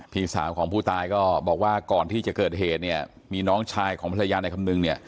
พี่สาวของผู้ตายก็บอกว่าก่อนที่จะเกิดเหตุเนี่ยมีน้องชายของภรรยาในคำนึงเนี่ย